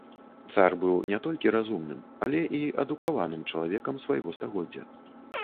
Цар быў не толькі разумным, але і адукаваным чалавекам свайго стагоддзя.